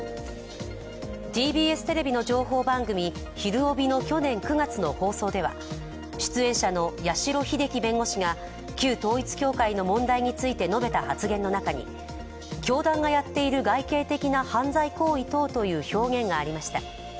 ＴＢＳテレビの情報番組「ひるおび」の去年９月の放送では出演者の八代英輝弁護士が旧統一教会の問題について述べた発言の中に、教団がやっている外形的な犯罪行為等という表現がありました。